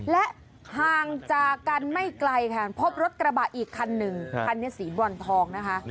และห่างจากกันไม่ไกลค่ะพบรถกระบะอีกคันหนึ่งคันนี้สีบรอนทองนะคะ